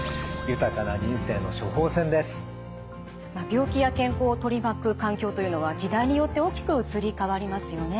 病気や健康を取り巻く環境というのは時代によって大きく移り変わりますよね。